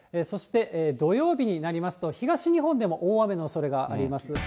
そして土曜日になりますと、東日本でも大雨のおそれがあります。